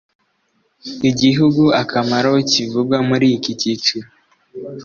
igihugu akamaro kivugwa muri iki cyiciro